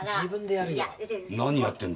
何やってんだ？